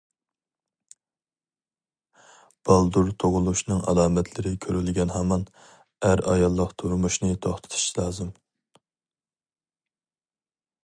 بالدۇر تۇغۇلۇشنىڭ ئالامەتلىرى كۆرۈلگەن ھامان، ئەر-ئاياللىق تۇرمۇشنى توختىتىش لازىم.